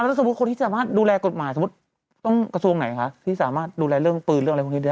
แล้วสมมุติคนที่สามารถดูแลกฎหมายสมมุติต้องกระทรวงไหนคะที่สามารถดูแลเรื่องปืนเรื่องอะไรพวกนี้ได้